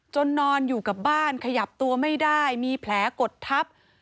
นอนอยู่กับบ้านขยับตัวไม่ได้มีแผลกดทับ